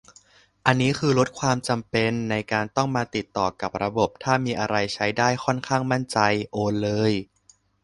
อันนี้คือลดความจำเป็นในการต้องมาติดต่อกับระบบ ถ้ามีอะไรใช้ได้ ค่อนข้างมั่นใจ โอนเลย